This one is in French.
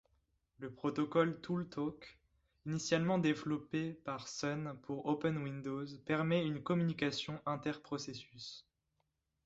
Le protocole ToolTalk initialement développé par Sun pour OpenWindows permet une communication interprocessus.